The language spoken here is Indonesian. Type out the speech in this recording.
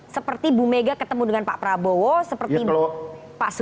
seperti bumega ketemu dengan pak prabowo seperti pak surya ketemu dengan pak esmo